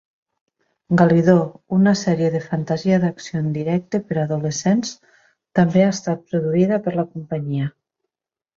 "Galidor", una sèrie de fantasia d'acció en directe per a adolescents també ha estat produïda per la companyia.